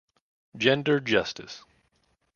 Gender Justice.